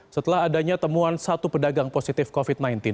setelah adanya temuan satu pedagang positif covid sembilan belas